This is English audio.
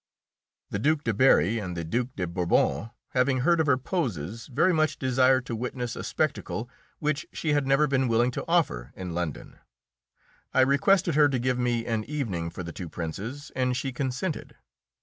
The Duke de Berri and the Duke de Bourbon, having heard of her poses, very much desired to witness a spectacle which she had never been willing to offer in London. I requested her to give me an evening for the two Princes, and she consented.